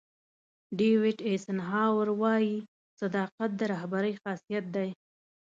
ډیوېټ ایسنهاور وایي صداقت د رهبرۍ خاصیت دی.